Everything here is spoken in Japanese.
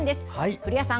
古谷さん